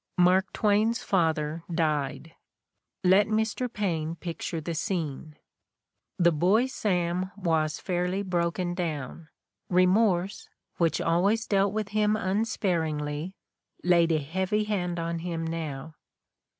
Mark Twain's father died. Let Mr. Paine picture the scene: "The boy Sam was fairly broken down. Remorse, which always dealt with him unsparingly, laid a heavy hand on him now.